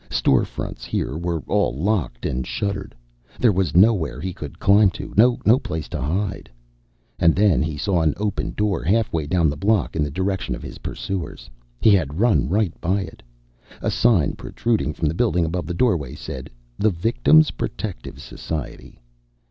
Store fronts here were all locked and shuttered. There was nowhere he could climb to, no place to hide. And then he saw an open door halfway down the block in the direction of his pursuers. He had run right by it. A sign protruding from the building above the doorway said THE VICTIM'S PROTECTIVE SOCIETY.